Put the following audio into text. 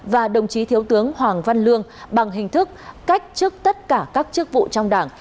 và đồng chí thiếu tướng hoàng văn lương bằng hình thức cách chức tất cả các chức vụ trong đảng